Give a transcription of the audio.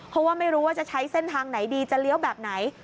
เพราะว่าไม่รู้ว่าจะใช้เส้นทางไหนดีจะเลี้ยวแบบไหน